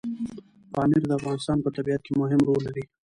پامیر د افغانستان په طبیعت کې مهم رول لري.